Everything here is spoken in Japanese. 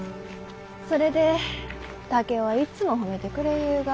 それで竹雄はいつも褒めてくれゆうが。